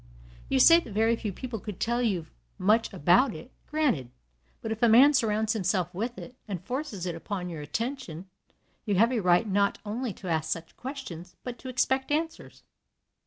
You say that very few people could tell you much about it. Granted; but if a man surrounds himself with it, and forces it upon your attention, you have a right not only to ask such questions, but to expect answers.